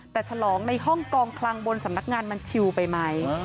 แต่ฉลองในห้องกองคลังบนสำนักงานมันชิวไปไหม